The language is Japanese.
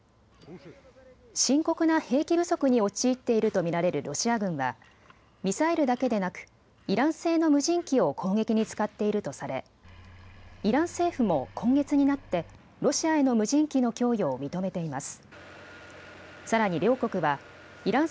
深刻な兵器不足に陥っていると見られるロシア軍はミサイルだけでなくイラン製の無人機を攻撃に使っているとされイラン政府も今月になってロシアへの無人機の供与を認めています。